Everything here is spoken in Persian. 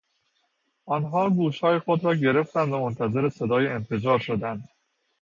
آنها گوشهای خود را گرفتند و منتظر صدای انفجار شدند.